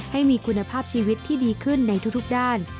ให้มีคุณภาพชีวิตที่ดีขึ้นในทุกด้าน